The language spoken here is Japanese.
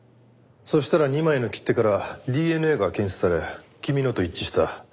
そしたら２枚の切手からＤＮＡが検出され君のと一致した。